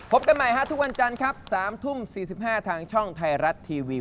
กันใหม่ทุกวันจันทร์ครับ๓ทุ่ม๔๕ทางช่องไทยรัฐทีวี